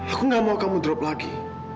aku gak mau kamu drop lagi